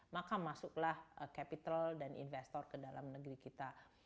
maka masuklah capital dan investor ke dalam negeri kita